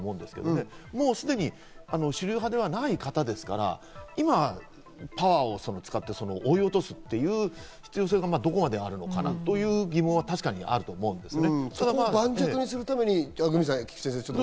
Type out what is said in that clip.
すでに主流派ではない方ですから今パワーを使って追い落とすという必要性がどこまであるのかなという疑問は確かにあるかと思うんですね。